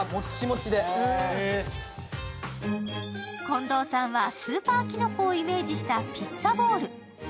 近藤さんはスーパーキノコをイメージしたピッツァボウル。